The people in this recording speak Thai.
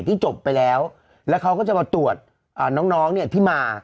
ที่จบไปแล้วแล้วเขาก็จะมาตรวจน้องเนี่ยที่มา